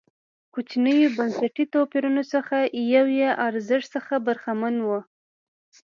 کوچنیو بنسټي توپیرونو څخه یو یې ارزښت څخه برخمن و.